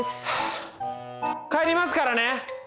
はあ帰りますからね！